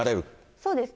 そうですね。